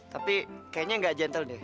tapi kayaknya nggak gentle deh